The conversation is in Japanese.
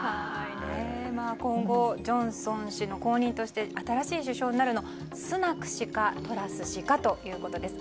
今後、ジョンソン氏の後任として新しい首相になるのはスナク氏かトラス氏かということです。